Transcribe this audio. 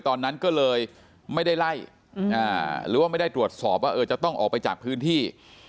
ตอนนั้นก็เลยไม่ได้ไล่หรือว่าไม่ได้ตรวจสอบว่าจะต้องออกไปจากพื้นที่